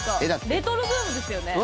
レトロブームですよね。